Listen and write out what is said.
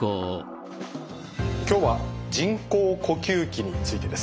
今日は人工呼吸器についてです。